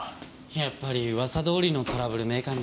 やっぱり噂どおりのトラブルメーカーみたいですね。